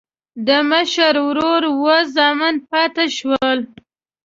د مشر ورور اووه زامن پاتې شول.